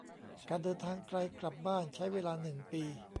การเดินทางไกลกลับบ้านใช้เวลาหนึ่งปี